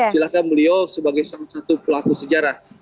silahkan beliau sebagai salah satu pelaku sejarah